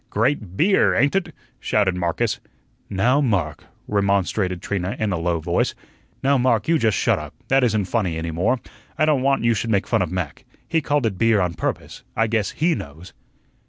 "Great BEER, ain't ut?" shouted Marcus. "Now, Mark," remonstrated Trina in a low voice. "Now, Mark, you just shut up; that isn't funny any more. I don't want you should make fun of Mac. He called it beer on purpose. I guess HE knows."